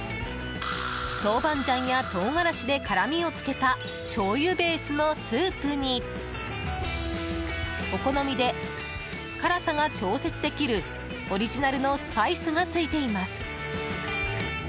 豆板醤やトウガラシで辛みをつけたしょうゆベースのスープにお好みで辛さが調節できるオリジナルのスパイスがついています。